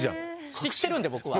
知ってるんで僕は。